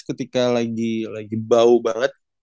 ketika lagi bau banget